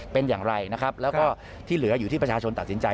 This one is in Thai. เป็นอย่างไรนะครับแล้วก็ที่เหลืออยู่ที่ประชาชนตัดสินใจ